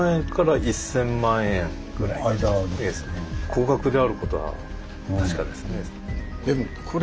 高額であることは確かですね。